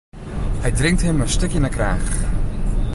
Hy drinkt him in stik yn 'e kraach.